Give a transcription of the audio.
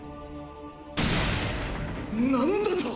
何だと！？